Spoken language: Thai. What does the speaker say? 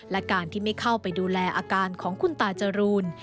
และการที่ไม่เข้าไปดูแลอาการของคุณตาจรูน